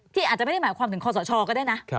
อาจจะไม่ได้หมายความถึงคอสชก็ได้นะ